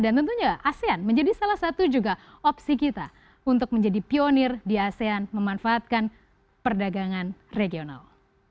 dan tentunya asean menjadi salah satu juga opsi kita untuk menjadi pionir di asean memanfaatkan perdagangan regional